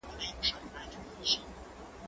لیک د زهشوم له خوا کيږي؟